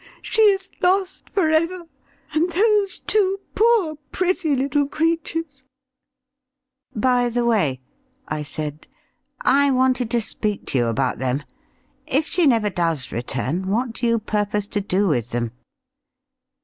She is lost for ever; and those two poor pretty little creatures " "By the way," I said, "I wanted to speak to you about them. If she never does return, what do you purpose to do with them?"